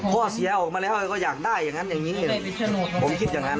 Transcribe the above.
พ่อเสียออกมาแล้วก็อยากได้อย่างนั้นอย่างนี้ผมคิดอย่างนั้น